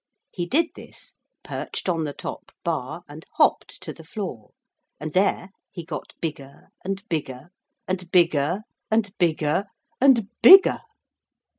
He did this, perched on the top bar, and hopped to the floor. And there he got bigger and bigger, and bigger and bigger and bigger.